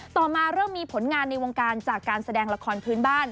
ต่อมาเริ่มมีผลงานในวงการจากการแสดงละครพื้นบ้าน